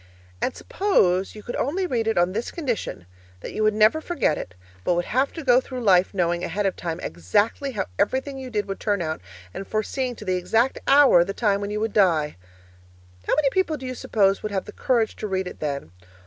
And suppose you could only read it on this condition: that you would never forget it, but would have to go through life knowing ahead of time exactly how everything you did would turn out, and foreseeing to the exact hour the time when you would die. How many people do you suppose would have the courage to read it then?